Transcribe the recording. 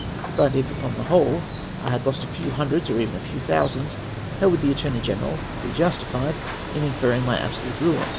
But if upon the whole I had lost a few hundreds, or even thousands, how would the Attorney General be justified in inferring my absolute ruin